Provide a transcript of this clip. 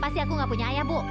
bu kenapa aku tidak punya ayah